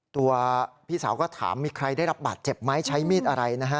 ตัวพี่สาวก็ถามมีใครได้รับบาดเจ็บไหมใช้มีดอะไรนะฮะ